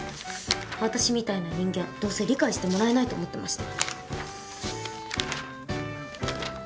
私みたいな人間どうせ理解してもらえないと思ってました。